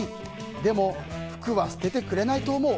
でも服は捨ててくれないと思う。